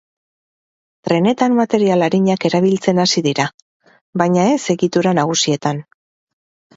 Trenetan material arinak erabiltzen hasi dira, baina ez egitura nagusietan.